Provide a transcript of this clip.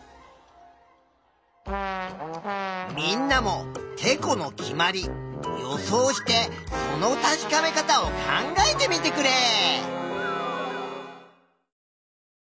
みんなも「てこの決まり」予想してその確かめ方を考えてみてくれ。